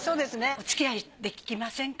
おつきあいできませんか？